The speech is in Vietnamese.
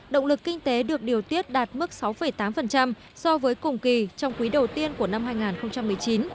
động lực kinh tế được điều tiết đạt mức sáu tám so với cùng kỳ trong quý đầu tiên của năm hai nghìn một mươi chín